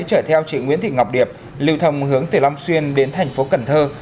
chở theo chị nguyễn thị ngọc điệp lưu thông hướng từ long xuyên đến thành phố cần thơ